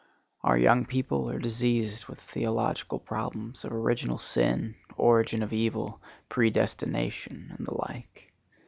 Our young people are diseased with the theological problems of original sin, origin of evil, predestination and the like.